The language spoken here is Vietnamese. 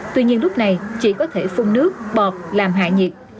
tuy nhiên lúc này chỉ có thể phun nước bọt làm hạ nhiệt